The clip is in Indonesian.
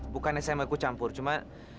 bukan sma ku campur cuma